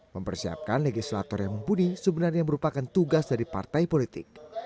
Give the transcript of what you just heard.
mempersiapkan legislator yang mumpuni sebenarnya merupakan tugas dari partai politik